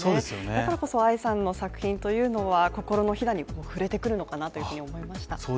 だからこそ藍さんの作品が心のひだに触れてくるのかなと思いました。